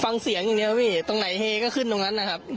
ฟังเสียงอย่างเดียวพี่ตรงไหนเฮก็ขึ้นตรงนั้นนะครับ